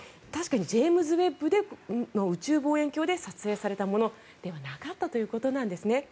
ジェームズ・ウェッブ宇宙望遠鏡で撮影されたものではなかったということなんですね。